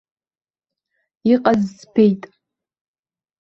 Иҟаз збеит.